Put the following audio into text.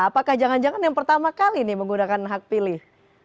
apakah jangan jangan yang pertama kali nih menggunakan hak pilih